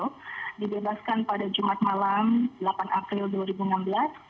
yang dibebaskan pada jumat malam delapan april dua ribu enam belas